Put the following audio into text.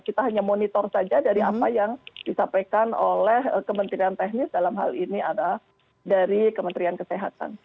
kita hanya monitor saja dari apa yang disampaikan oleh kementerian teknis dalam hal ini adalah dari kementerian kesehatan